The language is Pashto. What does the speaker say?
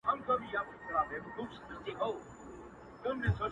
چي ستا ديدن وي پكي كور به جوړ سـي,